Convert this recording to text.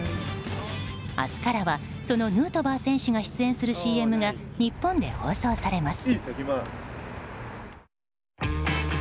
明日からはそのヌートバー選手が出演するＣＭが日本で放送されます。